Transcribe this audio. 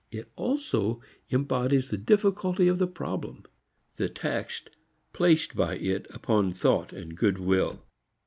It also embodies the difficulty of the problem the tax placed by it upon thought and good will.